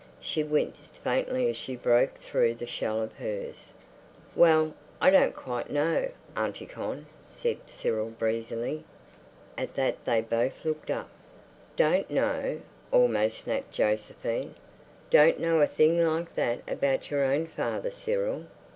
She winced faintly as she broke through the shell of hers. "Well, I don't quite know, Auntie Con," said Cyril breezily. At that they both looked up. "Don't know?" almost snapped Josephine. "Don't know a thing like that about your own father, Cyril?"